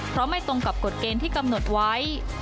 เพราะไม่ตรงกับกฎเกณฑ์ที่กำหนดไว้